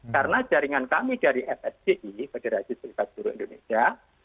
karena jaringan kami dari fsdi pederaci selipat juru indonesia